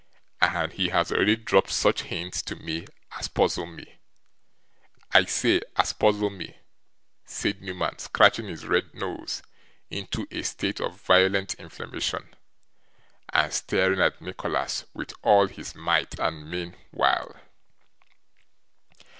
And he has already dropped such hints to me as puzzle me I say, as puzzle me,' said Newman, scratching his red nose into a state of violent inflammation, and staring at Nicholas with all his might and main meanwhile.